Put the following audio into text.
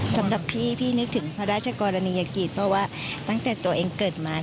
สำหรับพี่พี่นึกถึงพระราชกรณียกิจเพราะว่าตั้งแต่ตัวเองเกิดมา